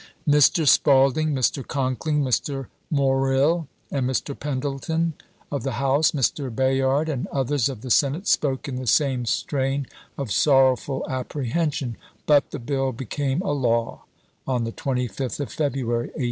Mr. Spaulding, Mr. Conkling, Mr. Morrill, and Mr. Pendleton of the House, Mr. Bayard and others of the Senate, spoke in the same strain of sorrow ful apprehension, but the bill became a law on the 25th of February, 1862.